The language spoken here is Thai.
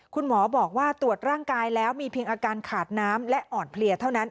คุณหมอบอกว่าตรวจร่างกายแล้วมีเพียงอาการขาดน้ำและอ่อนเพลียเท่านั้น